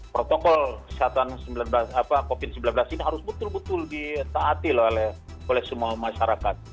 protokol kesehatan covid sembilan belas ini harus betul betul ditaati oleh semua masyarakat